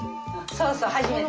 そうそう初めて。